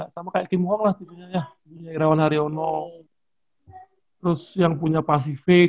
sama kayak kim wong lah punya ya irawan haryono terus yang punya pacific